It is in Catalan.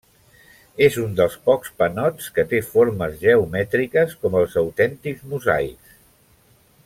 És un dels pocs panots que té formes geomètriques com els autèntics mosaics.